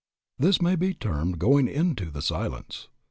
This may be termed going into the "silence."